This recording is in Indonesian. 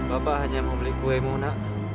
bapak hanya mau beli kue mau nak